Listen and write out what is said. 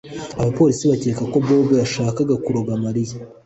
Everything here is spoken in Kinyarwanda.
Abapolisi bakeka ko Bobo yashakaga kuroga Mariya